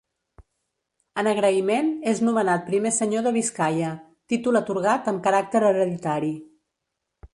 En agraïment és nomenat primer Senyor de Biscaia, títol atorgat amb caràcter hereditari.